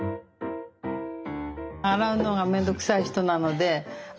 洗うのが面倒くさい人なのであ